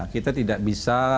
kita tidak bisa